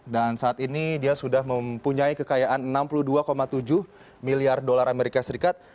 dan saat ini dia sudah mempunyai kekayaan enam puluh dua tujuh miliar dolar amerika serikat